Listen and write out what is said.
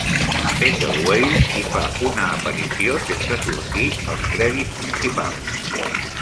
Ethel Wales hi fa una aparició sense sortir als crèdits principals.